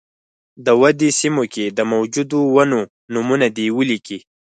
د ودې سیمو کې د موجودو ونو نومونه دې ولیکي.